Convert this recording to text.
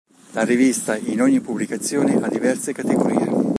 La rivista in ogni pubblicazione ha diverse categorie.